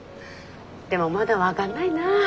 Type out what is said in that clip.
でもまだ分かんないな。